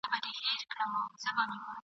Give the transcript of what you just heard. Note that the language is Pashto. افريدی دی که مومند دی ..